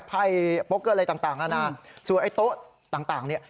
ไพ่โปเกอร์อะไรต่างนานาส่วนไอ้โต๊ะต่างเนี่ย